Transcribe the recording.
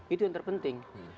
itu yang terpenting